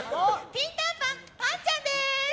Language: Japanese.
ピンタンパンたんちゃん。です。